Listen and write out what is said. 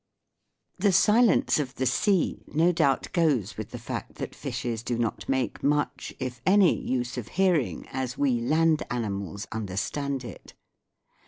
The silence of the sea no doubt goes with the fact that fishes do not make much, if any, use of hearing as we land animals understand it.